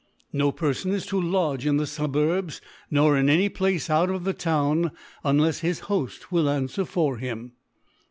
No Perfon is to lodge in the Suburbs, nor in any Place out of the Town, unlefs his Hoft will anf>^'er for him.